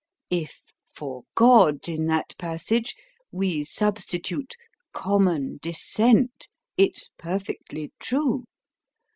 If for GOD in that passage we substitute COMMON DESCENT, it's perfectly true.